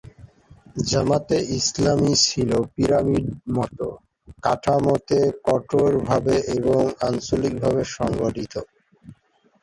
জামায়াতে ইসলামী ছিল পিরামিড-মত কাঠামোতে কঠোরভাবে এবং আঞ্চলিকভাবে সংগঠিত।